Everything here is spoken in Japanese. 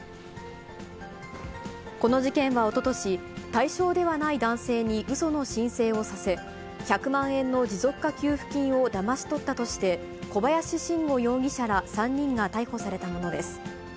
この事件はおととし、対象ではない男性にうその申請をさせ、１００万円の持続化給付金をだまし取ったとして、小林伸吾容疑者ら３人が逮捕されたものです。